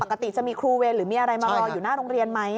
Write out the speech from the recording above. ปกติจะมีครูเวรหรือมีอะไรมารออยู่หน้าโรงเรียนไหม